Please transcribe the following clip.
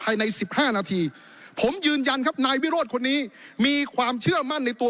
ในสิบห้านาทีผมยืนยันครับนายวิโรธคนนี้มีความเชื่อมั่นในตัว